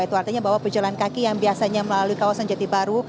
itu artinya bahwa pejalan kaki yang biasanya melalui kawasan jati baru